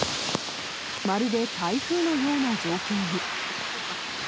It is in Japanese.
まるで台風のような状況に。